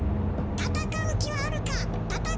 「戦う気はあるか」